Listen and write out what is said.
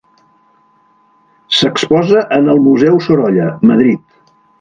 S'exposa en el Museu Sorolla, Madrid.